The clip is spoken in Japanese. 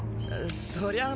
そりゃあ